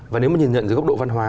và nếu nhìn nhận dưới góc độ văn hóa